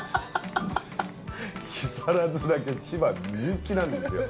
木更津だけ千葉、人気なんですよ。